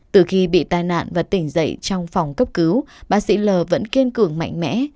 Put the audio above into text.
từ khi bị tai nạn và tỉnh dậy trong phòng cấp cứu bác sĩ l vẫn kiên cường mạnh mẽ